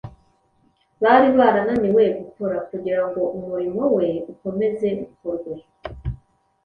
bari barananiwe gukora. Kugira ngo umurimo We ukomeze ukorwe,